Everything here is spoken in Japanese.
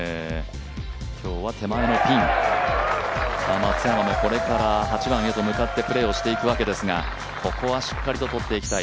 今日は手前のピン、松山もこれから８番へと向かってプレーをしていくわけですがここはしっかりととっていきたい。